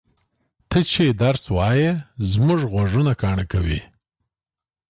ته چې درس وایې زما غوږونه کاڼه کوې!